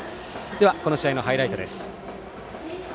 この試合のハイライトです。